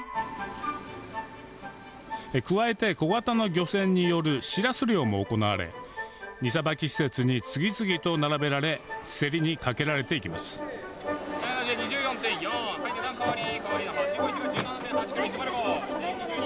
加えて小型の漁船によるシラス漁も行われ荷さばき施設に次々と並べられ競りにかけられていきます２４．４、値段変わり。